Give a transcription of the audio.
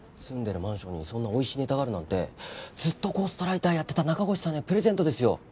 住んでるマンションにそんなおいしいネタがあるなんてずっとゴーストライターやってた中越さんへのプレゼントですよ